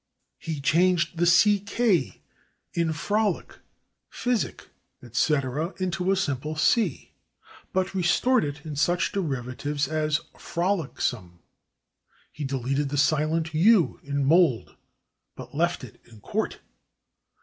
He changed the /ck/ in /frolick/, /physick/, etc., into a simple /c/, but restored it in such derivatives as /frolicksome/. He deleted the silent /u/ in /mould/, but left it in /court